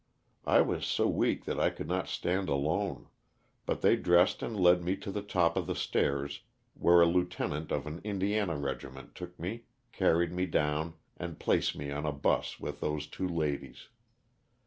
I was so weak that I could not stand alone, but they dressed and led me to the top of the stairs where a lieutenant of an Indiana regiment took me, carried me down and placed me in a bus with those two ladies.